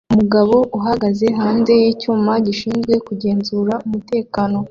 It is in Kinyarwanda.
Umugabo uhagaze hanze yicyumba gishinzwe kugenzura umutekano